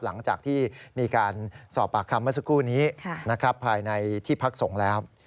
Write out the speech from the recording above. หลังจากที่มีการสอบปากคำเมื่อสักครู่นี้ภายในที่พักสงฆ์แล้ว